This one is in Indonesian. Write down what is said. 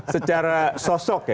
secara sosok ya